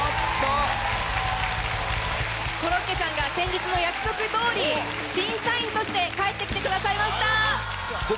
コロッケさんが先日の約束通り審査員として帰って来てくださいました！